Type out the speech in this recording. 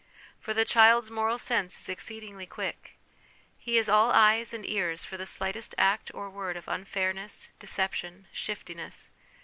For the child's moral sense is exceedingly quick ; he is all eyes and ears for the slightest act or word of unfairness, deception, shiftiness.